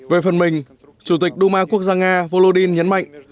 về phần mình chủ tịch đu ma quốc gia nga volodin nhấn mạnh